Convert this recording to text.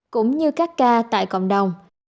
cũng như các ca tại cộng đồng